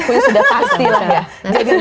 kue sudah pasti lah ya